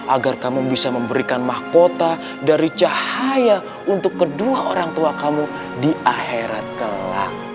agar kamu bisa memberikan mahkota dari cahaya untuk kedua orang tua kamu di akhirat kelak